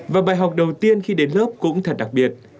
và bài học đầu tiên khi đến lớp cũng thật đặc biệt